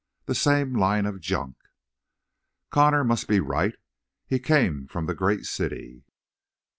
The same line of junk!" Connor must be right. He came from the great city.